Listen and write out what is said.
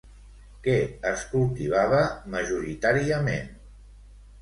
Què es cultivava majoritàriament?